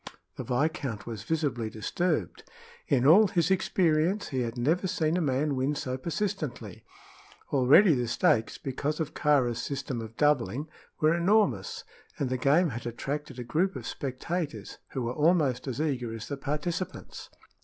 The viscount was visibly disturbed. In all his experience he had never seen a man win so persistently. Already the stakes, because of Kāra's system of doubling, were enormous, and the game had attracted a group of spectators, who were almost as eager as the participants.